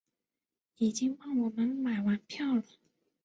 已经帮我们买完票了